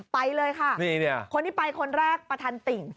ไปเลยค่ะคนที่ไปคนแรกประธานติ่ง